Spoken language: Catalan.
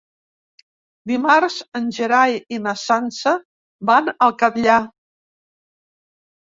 Dimarts en Gerai i na Sança van al Catllar.